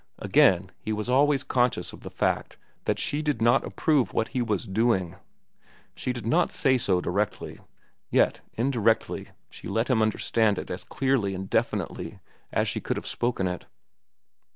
Again, he was always conscious of the fact that she did not approve what he was doing. She did not say so directly. Yet indirectly she let him understand it as clearly and definitely as she could have spoken it.